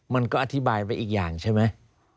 มันก็อธิบายไว้อีกอย่างใช่ไหม